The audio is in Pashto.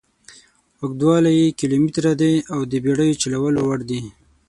اوږدوالی یې کیلومتره دي او د بېړیو چلولو وړ دي.